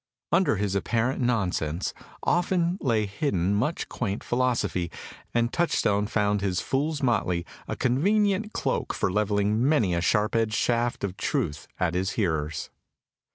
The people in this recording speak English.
Under his apparent nonsense often lay hidden much quaint philosophy, and Touchstone found his fool's motley a convenient cloak for levelling many a sharp edged shaft of truth at his hearers.